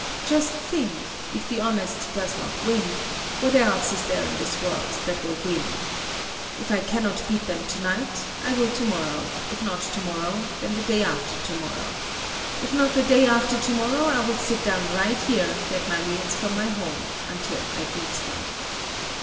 Just think,—if the honest does not win, what else is there in this world that will win? If I cannot beat them to night, I will tomorrow; if not tomorrow, then the day after tomorrow. If not the day after tomorrow, I will sit down right here, get my meals from my home until I beat them.